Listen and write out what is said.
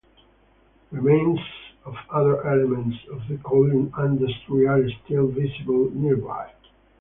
Remains of other elements of the coal industry are still visible nearby.